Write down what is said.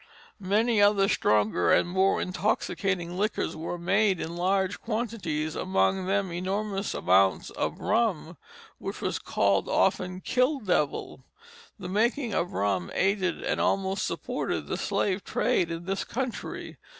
Many other stronger and more intoxicating liquors were made in large quantities, among them enormous amounts of rum, which was called often "kill devil." The making of rum aided and almost supported the slave trade in this country.